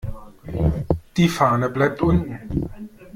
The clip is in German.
Die Fahne bleibt unten.